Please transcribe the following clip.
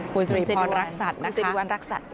คุณสิริพรรณรักษัตริย์นะคะคุณสิริวัณรักษัตริย์